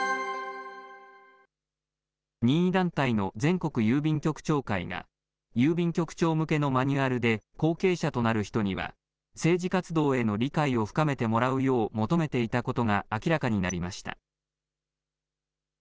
任意団体の全国郵便局長会が、郵便局長向けのマニュアルで、後継者となる人には、政治活動への理解を深めてもらうよう求めていたことが明らかになりました。